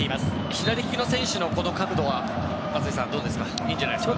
左利きの選手のこの角度は松井さん、いいんじゃないですか。